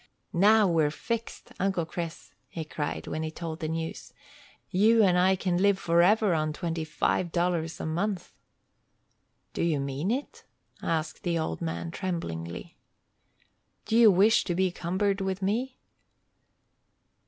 "Now we're fixed, Uncle Chris!" he cried, when he told the news. "You and I can live forever on twenty five dollars a month." "Do you mean it?" asked the old man, tremblingly. "Do you wish to be cumbered with me?"